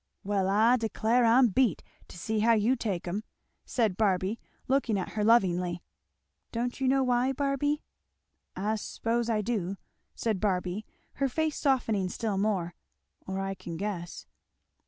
"Well I declare I'm beat, to see how you take 'em," said Barby, looking at her lovingly. "Don't you know why, Barby?" "I s'pose I do," said Barby her face softening still more, "or I can guess."